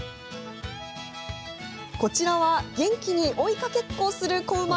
こちらは元気に追いかけっこをする子馬。